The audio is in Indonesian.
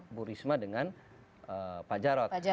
ibu risma dengan pak jarod